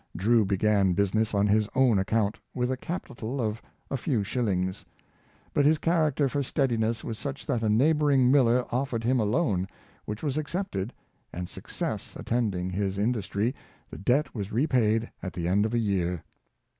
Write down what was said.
"" Drew began business on his own account, with a cap ital of a few shillings; but his character for steadiness was such that a neighboring miller offered him a loan, which was accepted, and, success attending his indus try, the debt was repaid at the end of a year.